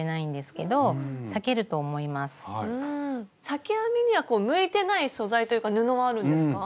裂き編みには向いてない素材というか布はあるんですか？